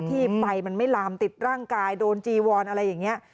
ไฟมันไม่ลามติดร่างกายโดนจีวอนอะไรอย่างนี้